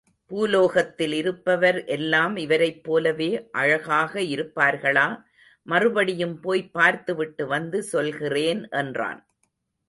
பூலோகத்தில் இருப்பவர் எல்லாம் இவரைப் போலவே அழகாக இருப்பார்களா? மறுபடியும் போய்ப் பார்த்து விட்டு வந்து சொல்கிறேன் என்றான்.